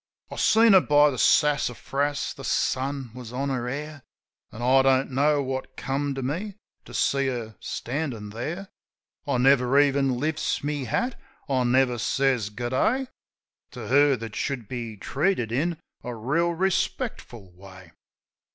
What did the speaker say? ... I seen her by the sassafras, the sun was on her hair ; An' I don't know what come to me to see her standin' there. I never even lifts my hat, I never says "Good day" To her that should be treated in a reel respectful way.